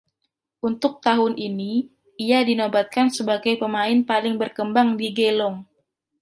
Untuk tahun ini, ia dinobatkan sebagai pemain paling berkembang di Geelong.